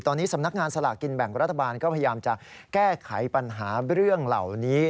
ตอนนี้สำนักงานสลากกินแบ่งรัฐบาลก็พยายามจะแก้ไขปัญหาเรื่องเหล่านี้